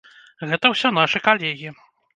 Гэта ўсё нашы калегі.